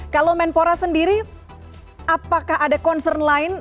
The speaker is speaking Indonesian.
kalau menpora sendiri apakah ada concern lain